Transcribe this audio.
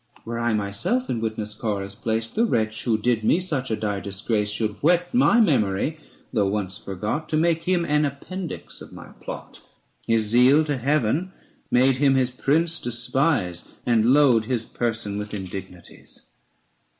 Were I myself in witness Corah's place, The wretch who did me such a dire disgrace 106 ABSALOM AND ACHITOPHEL. Should whet my memory, though once forgot, 670 To make him an appendix of my plot. His zeal to Heaven made him his Prince despise, And load his person with indignities.